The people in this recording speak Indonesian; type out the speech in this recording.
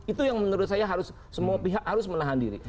itu yang menurut saya harus semua pihak harus menahan diri